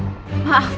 dan mencari bukti